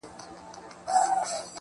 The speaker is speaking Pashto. په يو خـمـار په يــو نـسه كــي ژونــدون_